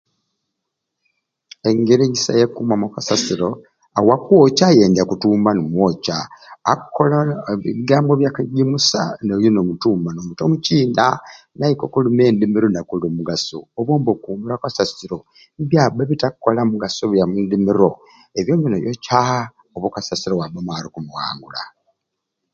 Engeri ejisai eya kumamu okasasiiro awa kwokya ayendya kutuuma nimwokya, akola ebigambo bya kijumusa noyo no mutuuma nomuta omuciina naika okuluma endumiiro nakola omugaso obwombe oba okumiire okasasiiro mbyaba ebitakola mugaso bya mundimiiro ebyombe noyookya obwo okasasiiro wabba nomaare okumwawula.